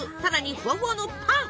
ふわふわのパン！